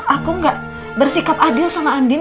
aku gak bersikap adil sama andin